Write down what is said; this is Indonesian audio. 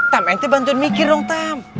tam ente bantuin mikir dong tam